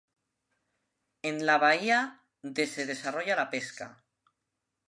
En la bahía de se desarrolla la pesca.